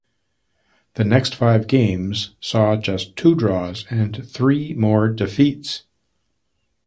The next five games saw just two draws and three more defeats.